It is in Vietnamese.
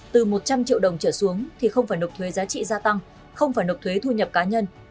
từ một trăm linh triệu đồng trở xuống thì không phải nộp thuế giá trị gia tăng không phải nộp thuế thu nhập cá nhân